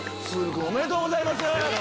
君おめでとうございます。